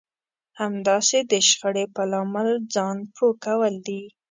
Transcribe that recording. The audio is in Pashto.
همداسې د شخړې په لامل ځان پوه کول دي.